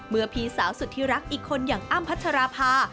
เมื่อผีสาวสุดที่รักอีกคนอย่างอ้ามพัชราพา